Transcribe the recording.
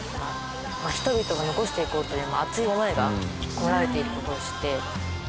人々が残していこうという熱い思いが込められている事を知って。